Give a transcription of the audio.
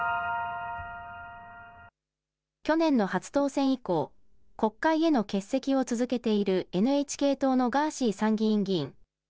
去年の初当選以降、国会への欠席を続けているＮＨＫ党のガーシー参議院議員。